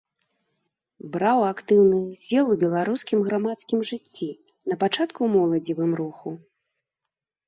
Браў актыўны ўдзел у беларускім грамадскім жыцці, напачатку ў моладзевым руху.